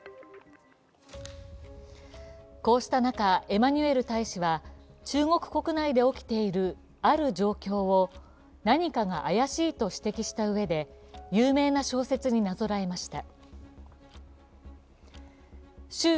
こうした中、エマニュエル大使は中国国内で起きているある状況を何かが怪しいと指摘したうえで、有名な小説になぞらえました。